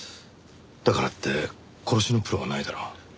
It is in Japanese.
だからって殺しのプロはないだろう。